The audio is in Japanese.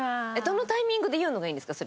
どのタイミングで言うのがいいんですか？